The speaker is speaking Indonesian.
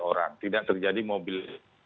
orang tidak terjadi mobil